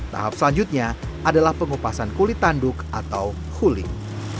tahap selanjutnya adalah pengupasan kulit tanduk atau huling